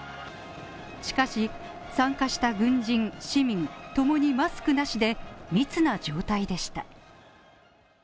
しかし、参加した軍人、市民と共にマスクなしで密な状態でした。